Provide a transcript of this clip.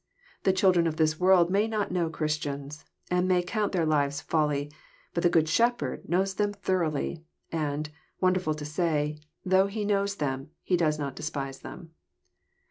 The children of this world may not know Christians, and may coant their lives folly ; bat the Good Shepherd knows them thoroughly^ and, wonderfal to say, though He kiiows them, does not despise them.